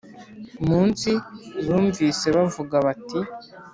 Munsi zumvise bavuga bati